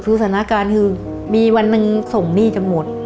คือสถานการณ์คือมีวันหนึ่งส่งหนี้จนหมด